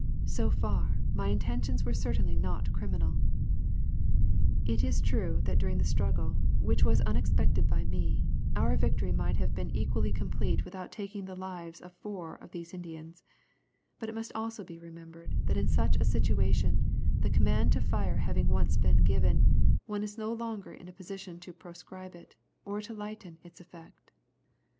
So far, my intentions were certainly not criminal. It is true that during the struggle, which was unexpected by me, our victory might have been equally complete without taking the lives of four of these Indians, but it must also be remembered that in such a situation, the command to fire having once been given, one is no longer in a position to proscribe it, or to lighten its effect."